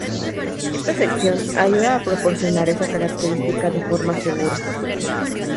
Esta sección ayuda a proporcionar esa característica de forma segura.